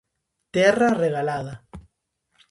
Terra regalada.